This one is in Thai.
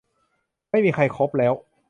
ไม่มีใครคบแล้ว